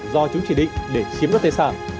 do chúng chỉ định để chiếm đối tài sản